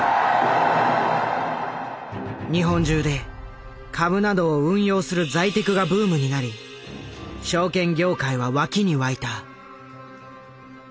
日本中で株などを運用する「財テク」がブームになり証券業界は沸きに沸いた。